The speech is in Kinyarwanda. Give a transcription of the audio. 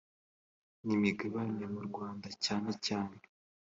n imigabane mu rwanda cyane cyane